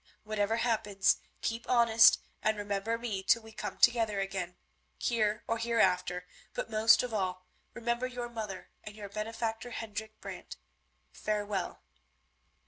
Whatever happens, keep honest, and remember me till we come together again, here or hereafter, but, most of all, remember your mother and your benefactor Hendrik Brant. Farewell."